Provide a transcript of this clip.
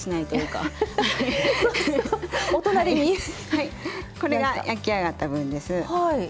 はいこれが焼き上がった分です。